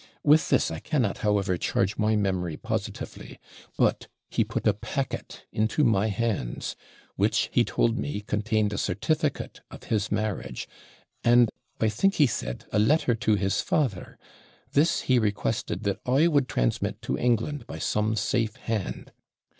With this, I cannot, however, charge my memory positively; but he put a packet into my hands which, he told me, contained a certificate of his marriage, and, I think he said, a letter to his father; this he requested that I would transmit to England by some safe hand.